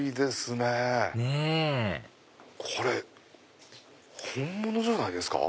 ねぇこれ本物じゃないですか？